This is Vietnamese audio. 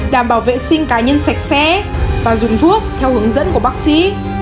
đảm bảo vệ sinh cá nhân sạch sẽ và dùng thuốc theo hướng dẫn của bác sĩ